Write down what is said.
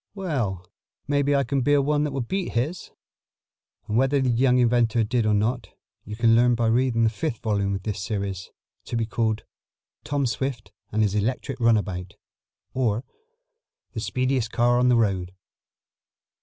"Well, maybe I can build one that will beat his." And whether the young inventor did or not you can learn by reading the fifth volume of this series, to be called "Tom Swift and His Electric Runabout; Or, The Speediest Car on the Road."